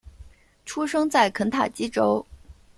出生在肯塔基州。